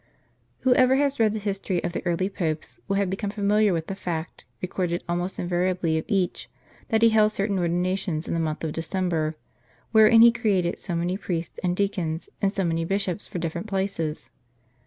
HOEVER has read the history of the early Popes, will have become familiar with the fact, recorded almost invariably of each, that he held certain ordinations in the month of December, wherein he created so many priests, and deacons, and so many bishops for different places.